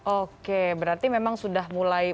oke berarti memang sudah mulai